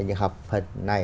những học phần này